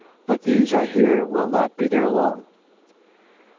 But these, I hear, will not be there long.